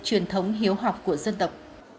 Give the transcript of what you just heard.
truyền thống hiếu học của dân tộc